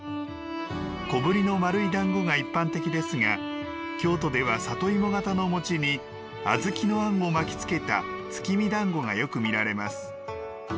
小ぶりの丸いだんごが一般的ですが京都では里芋形の餅に小豆のあんを巻きつけた月見だんごがよく見られます。